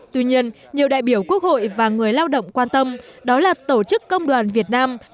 tuy nhiên nhiều đại biểu quốc hội và người lao động quan tâm đó là tổ chức công đoàn việt nam